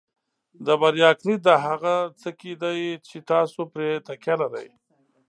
د بریا کلید د هغه څه کې دی چې تاسو پرې تکیه لرئ.